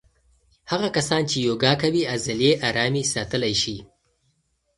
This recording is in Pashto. هغه کسان چې یوګا کوي عضلې آرامې ساتلی شي.